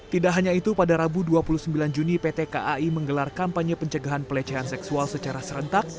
tidak hanya itu pada rabu dua puluh sembilan juni pt kai menggelar kampanye pencegahan pelecehan seksual secara serentak